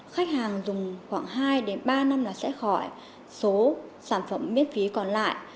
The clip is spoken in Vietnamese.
khách hàng dùng khoảng hai ba năm là sẽ khỏi số sản phẩm miễn phí còn lại